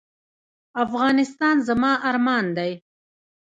افغانستان زما ارمان دی؟